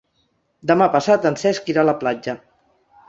Demà passat en Cesc irà a la platja.